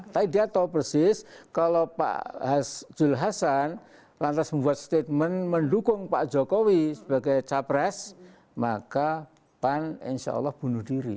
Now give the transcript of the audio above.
tapi dia tahu persis kalau pak julhasan lantas membuat statement mendukung pak jokowi sebagai capres maka pan insya allah bunuh diri